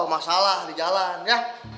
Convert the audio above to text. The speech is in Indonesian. masalah di jalan ya